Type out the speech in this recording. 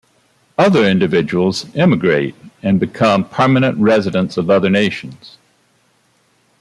Other individuals emigrate and become permanent residents of other nations.